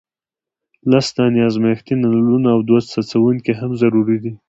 لس دانې ازمیښتي نلونه او دوه څڅونکي هم ضروري دي.